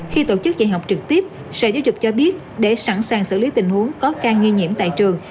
khi tổ chức dạy học trực tiếp sở giáo dục cho biết để sẵn sàng xử lý tình huống có ca nghi nhiễm tại trường